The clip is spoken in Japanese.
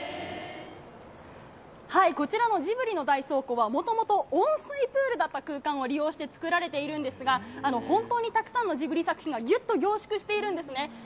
こちらのジブリの大倉庫は、もともと温水プールだった空間を利用して作られているんですが、本当にたくさんのジブリ作品がぎゅっと凝縮しているんですね。